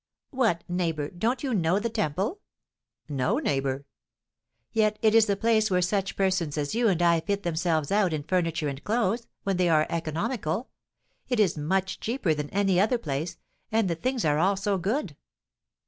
"What, neighbour, don't you know the Temple?" "No, neighbour." "Yet it is the place where such persons as you and I fit themselves out in furniture and clothes, when they are economical. It is much cheaper than any other place, and the things are also good."